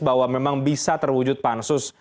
bahwa memang bisa terwujud pansus